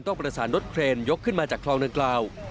ต้องประสานรถเครนยกขึ้นมาจากคลองดังกล่าว